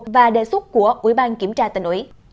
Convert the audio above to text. và đề xuất của ủy ban kiểm tra tỉnh ủy